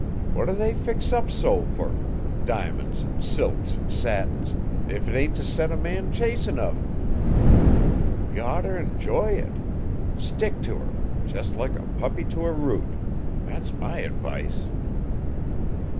What do they fix up so fer di'mon's an' silks an' satins if 'tain't t'set men a chasm 'uv 'em? You'd otter enjoy it. Stick to her jes' like a puppy to a root. Thet's my advice.'